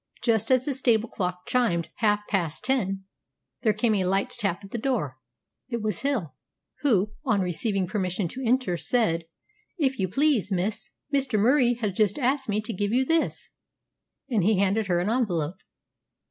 Just as the stable clock chimed half past ten there came a light tap at the door. It was Hill, who, on receiving permission to enter, said, "If you please, miss, Mr. Murie has just asked me to give you this"; and he handed her an envelope.